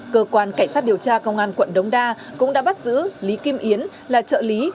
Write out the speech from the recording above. cơ quan cảnh sát điều tra công an quận đống đa cũng đã bắt giữ lý kim yến là trợ lý